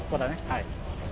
はい。